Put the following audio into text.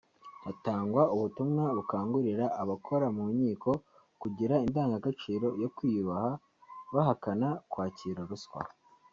hatangwa ubutumwa bukangurira abakora mu nkiko kugira indangagaciro yo kwiyubaha bahakana kwakira ruswa